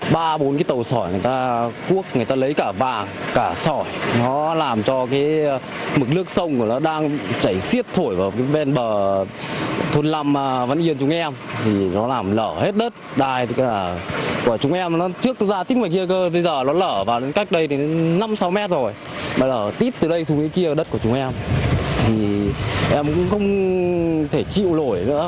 bây giờ tít từ đây xuống kia đất của chúng em thì em cũng không thể chịu lỗi nữa